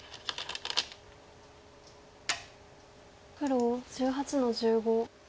黒１８の十五。